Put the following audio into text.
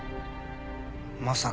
まさか。